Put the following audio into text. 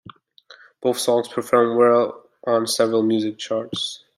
Both songs performed well on several music charts.